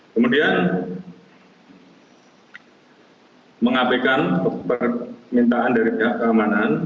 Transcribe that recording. kemudian mengabaikan permintaan dari pihak keamanan